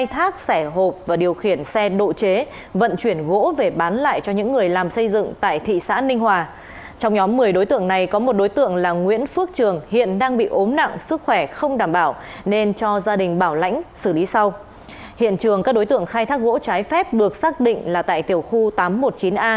hiện trường các đối tượng khai thác gỗ trái phép được xác định là tại tiểu khu tám trăm một mươi chín a